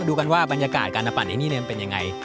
ดูกันว่าบรรยากาศการปั่นไอ้นี่มันเป็นยังไง